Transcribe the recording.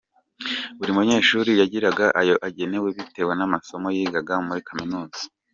Buri munyeshuri yagiraga ayo agenewe bitewe n’amasomo yigaga muri kaminuza.